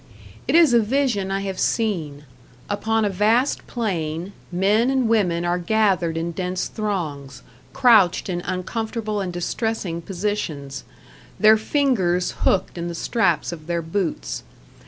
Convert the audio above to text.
It is a vision I have seen: upon a vast plain, men and women are gathered in dense throngs, crouched in uncomfortable and distressing positions, their fingers hooked in the straps of their boots.